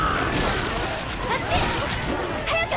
あっち！早く！